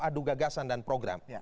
adu gagasan dan program